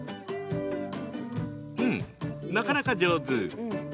うん、なかなか上手。